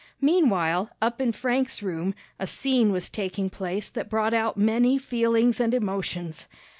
Meanwhile, up in Frank's room, a scene was taking place that brought out many feelings and emotions.